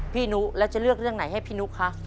นุแล้วจะเลือกเรื่องไหนให้พี่นุคะ